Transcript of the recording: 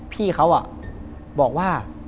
พี่เขาบอกว่า